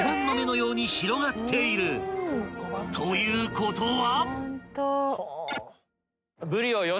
［ということは］